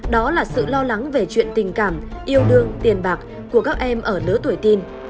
đó là sự lo lắng về chuyện tình cảm yêu đương tiền bạc của các em ở lứa tuổi tin